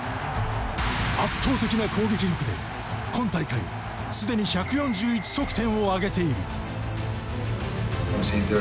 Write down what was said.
圧倒的な攻撃力で今大会すでに１４１得点を挙げている。